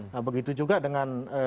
nah begitu juga dengan